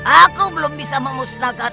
aku belum bisa memusnahkannya